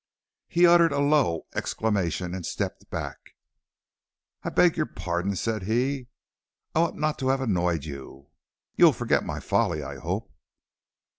He uttered a low exclamation and stepped back. "I beg your pardon," said he, "I ought not to have annoyed you. You will forget my folly, I hope."